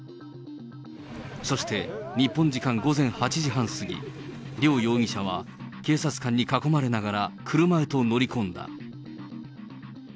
そして、日本時間午前８時半過ぎ、両容疑者は警察官に囲まれながら、車へと乗り込んだ。